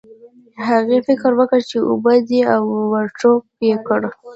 هغې فکر وکړ چې اوبه دي او ور ټوپ یې کړل.